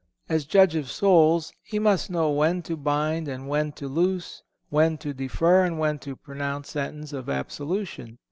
As judge of souls, he must know when to bind and when to loose, when to defer and when to pronounce sentence of absolution.